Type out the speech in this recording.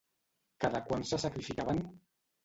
Cada quant se sacrificaven?